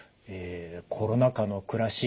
コロナ禍の暮らし